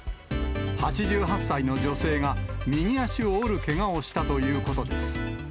８８歳の女性が右足を折るけがをしたということです。